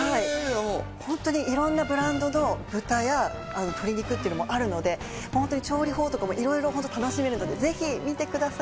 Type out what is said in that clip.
本当にいろんなブランドの豚や鶏肉っていうのがあるので、調理法とかもいろいろ楽しめるので、ぜひ見てください。